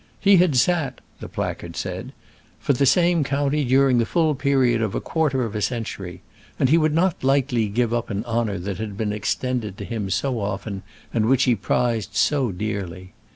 "He had sat," the placard said, "for the same county during the full period of a quarter of a century, and he would not lightly give up an honour that had been extended to him so often and which he prized so dearly.